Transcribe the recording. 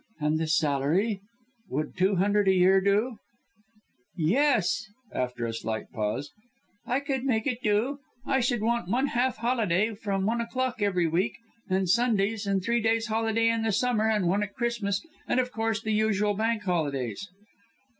"And the salary? Would two hundred a year do?" "Yes," after a slight pause, "I could make it do. I should want one half day holiday from one o'clock every week; and Sundays and three weeks' holiday in the summer, and one at Christmas, and of course, the usual Bank Holidays."